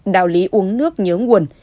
đạo lý uống nước nhớ nguồn